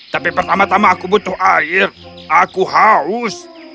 tapi pertama tama aku butuh air aku haus